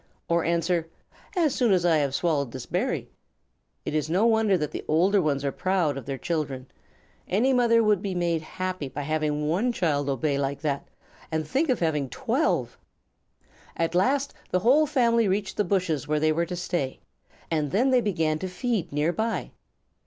or answer, "As soon as I have swallowed this berry." It is no wonder that the older ones are proud of their children. Any mother would be made happy by having one child obey like that, and think of having twelve! At last, the whole family reached the bushes where they were to stay, and then they began to feed near by.